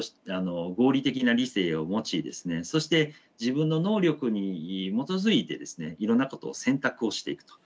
合理的な理性を持ちそして自分の能力に基づいてですねいろんなことを選択をしていくと。